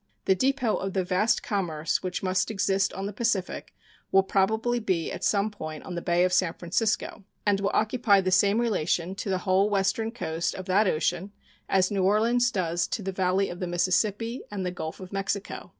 The depot of the vast commerce which must exist on the Pacific will probably be at some point on the Bay of San Francisco, and will occupy the same relation to the whole western coast of that ocean as New Orleans does to the valley of the Mississippi and the Gulf of Mexico.